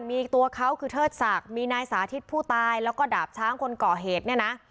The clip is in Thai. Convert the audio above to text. มีตัวเขาคือเทิดสักย์มีนายสาธิตผู้ตายแล้วก็ดาบช้างกลเกาะเหตุ